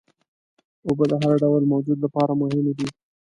اوبه د هر ډول موجود لپاره مهمې دي.